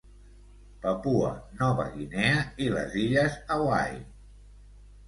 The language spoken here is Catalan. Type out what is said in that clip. Papua Nova Guinea i les illes Hawaii.